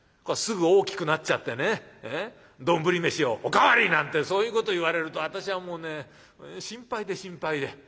すぐ大きくなっちゃってね丼飯を『お代わり！』なんてそういうこと言われると私はもうね心配で心配で。